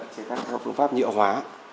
chỉ các phương pháp nhựa hóa